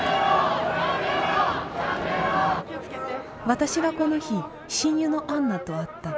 私はこの日親友のアンナと会った。